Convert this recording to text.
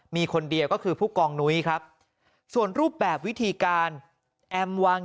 มีคนเดียวก็คือผู้กองนุ้ยครับส่วนรูปแบบวิธีการแอมวาง